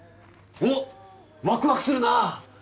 おっワクワクするな。